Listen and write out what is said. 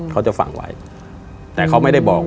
เขาจะฝังไว้แต่เขาไม่ได้บอก